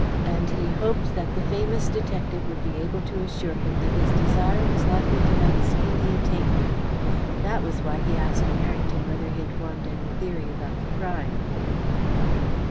And he hoped that the famous detective would be able to assure him that his desire was likely to have a speedy attainment. That was why he asked Merrington whether he had formed any theory about the crime.